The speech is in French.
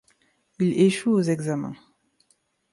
Il échoue aux examens.